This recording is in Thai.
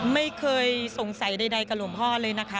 ไม่เคยสงสัยใดกับหลวงพ่อเลยนะคะ